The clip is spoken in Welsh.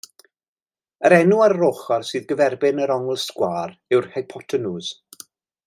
Yr enw ar yr ochr sydd gyferbyn yr ongl sgwâr yw hypotenws.